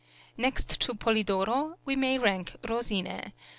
Next to Polidoro we may rank Rosine.